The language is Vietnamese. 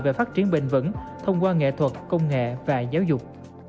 về phát triển bền vững thông qua nghệ thuật công nghệ và giáo dục